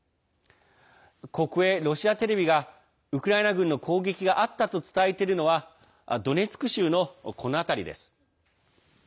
国営ロシアテレビがウクライナ軍の攻撃があったと伝えているのはドネツク州の、この辺りです。